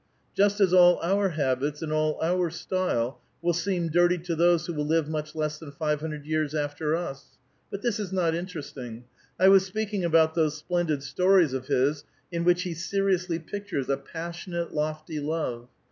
" Just as all our habits and all our style will seem dirty to those who will live much less than five hundred vears after ns — but this is not interesting. I was speaking about those splendid stories of his in which he seriously pictures a passionate, lofty love.